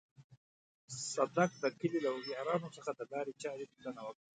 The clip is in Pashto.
صدک د کلي له هوښيارانو څخه د لارې چارې پوښتنه وکړه.